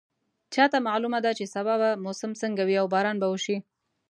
چا ته معلومه ده چې سبا به موسم څنګه وي او باران به وشي